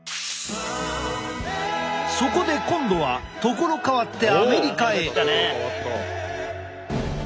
そこで今度は所変わってアメリカへ！